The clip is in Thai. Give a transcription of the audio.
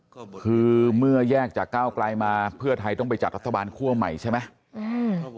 ก็คือเมื่อแยกจากก้าวไกลมาเพื่อไทยต้องไปจัดรัฐบาลคั่วใหม่ใช่ไหม